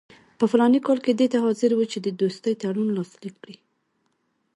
په فلاني کال کې دې ته حاضر وو چې د دوستۍ تړون لاسلیک کړي.